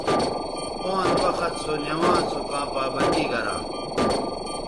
پانز وخت سونوانز سو کاں پابندی گرا